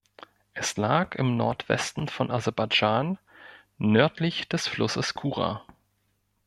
Es lag im Nordwesten von Aserbaidschan, nördlich des Flusses Kura.